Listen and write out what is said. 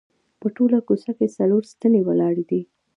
په ټوله کوڅه کې څلور ستنې ولاړې دي.